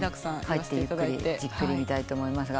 帰ってゆっくりじっくり見たいと思います。